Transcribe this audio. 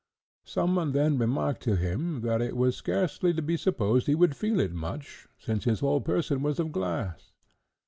Some one then remarked to him, that it was scarcely to be supposed he would feel it much, since his whole person was of glass.